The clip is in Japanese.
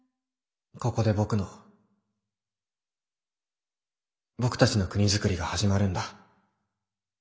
ここで僕の僕たちの国づくりが始まるんだユキ。